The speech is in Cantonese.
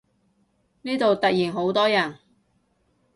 呢度突然好多人